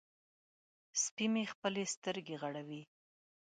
سپی مې خپلې سترګې غړوي.